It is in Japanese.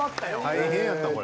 大変やったこれ。